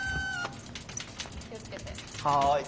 はい。